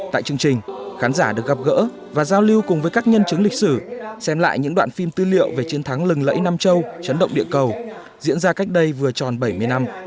tại chương trình khán giả được gặp gỡ và giao lưu cùng với các nhân chứng lịch sử xem lại những đoạn phim tư liệu về chiến thắng lừng lẫy nam châu chấn động địa cầu diễn ra cách đây vừa tròn bảy mươi năm